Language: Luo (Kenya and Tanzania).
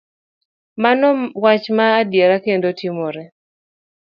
Mano wach ma adiera kendo timore.